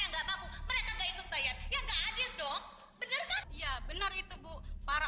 yang nggak mau mereka nggak ikut bayar yang adil dong bener bener itu bu para